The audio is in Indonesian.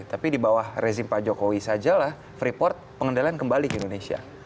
tapi di bawah rezim pak jokowi sajalah freeport pengendalian kembali ke indonesia